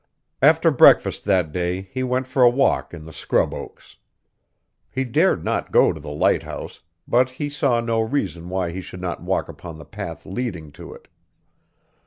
After breakfast that day he went for a walk in the scrub oaks. He dared not go to the lighthouse, but he saw no reason why he should not walk upon the path leading to it.